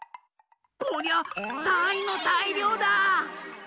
こりゃたいのたいりょうだ！